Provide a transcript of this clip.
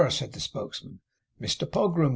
said the spokesman. 'Mr Pogram!